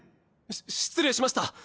し失礼しました。